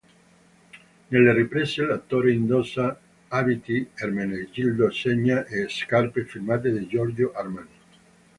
Nelle riprese l'attore indossa abiti Ermenegildo Zegna e scarpe firmate Giorgio Armani.